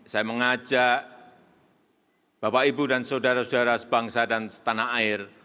saya mengajak bapak ibu dan saudara saudara sebangsa dan setanah air